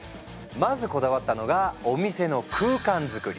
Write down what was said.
まずこだわったのがお店の空間づくり。